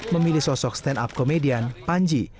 memilih sosok stand up komedian panji